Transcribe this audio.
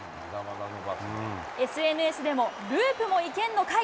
ＳＮＳでも、ループも行けんのかい！